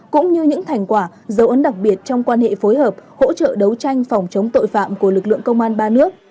cũng như những thành quả dấu ấn đặc biệt trong quan hệ phối hợp hỗ trợ đấu tranh phòng chống tội phạm của lực lượng công an ba nước